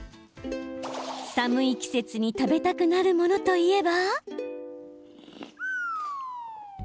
寒い季節に食べたくなるものといえば。